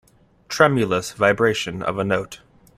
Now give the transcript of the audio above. Tremulous vibration of a note.